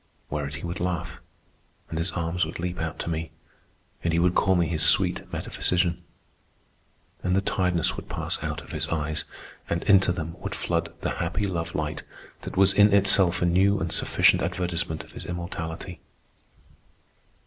Whereat he would laugh, and his arms would leap out to me, and he would call me his sweet metaphysician; and the tiredness would pass out of his eyes, and into them would flood the happy love light that was in itself a new and sufficient advertisement of his immortality.